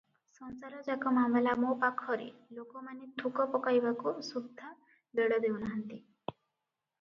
ସଂସାର ଯାକ ମାମଲା ମୋ ପାଖରେ ଲୋକମାନେ ଥୁକ ପକାଇବାକୁ ସୁଦ୍ଧା ବେଳ ଦେଉନାହିଁନ୍ତି ।